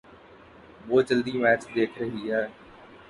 وہ جلدی میچ دیکھ رہی ہے۔